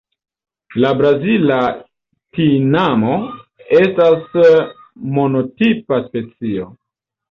La Brazila tinamo estas monotipa specio.